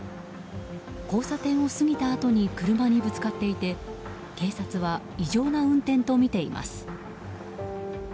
交差点を過ぎたあとに車にぶつかっていて警察は異常な運転とみています。